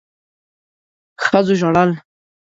ښځو ژړل